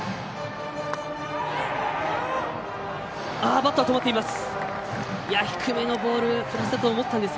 バット、止まっています。